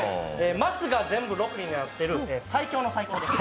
マスが全部６になっている最強の最強です。